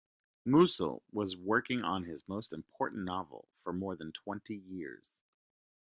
Musil was working on his most important novel for more than twenty years.